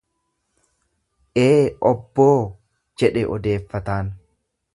"""Ee obboo""jedhe odeeffataan."